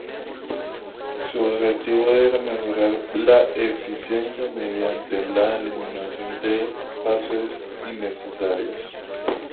Su objetivo era mejorar la eficiencia mediante la eliminación de pasos innecesarios.